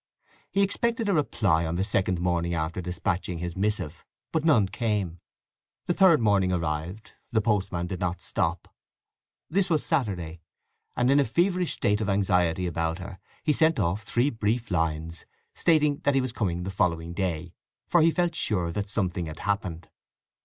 He expected a reply on the second morning after despatching his missive; but none came. The third morning arrived; the postman did not stop. This was Saturday, and in a feverish state of anxiety about her he sent off three brief lines stating that he was coming the following day, for he felt sure something had happened.